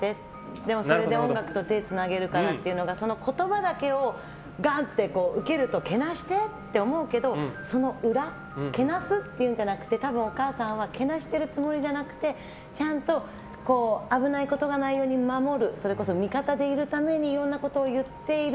でもそれで音楽と手つなげるからっていうのが言葉だけをガンと受けると貶して？って思うけどその裏貶すって言うんじゃなくて多分、お母さんはけなしてるつもりじゃなくてちゃんと危ないことがないように守る、それこそ味方でいるためにいろんなことを言っている。